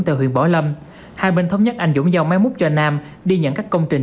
tại huyện bảo lâm hai bên thống nhất anh dũng giao máy múc cho nam đi nhận các công trình